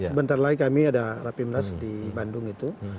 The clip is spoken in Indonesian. sebentar lagi kami ada rapimnas di bandung itu